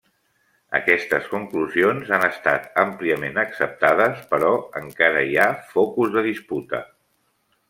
Aquestes conclusions han estat àmpliament acceptades, però encara hi ha focus de disputa.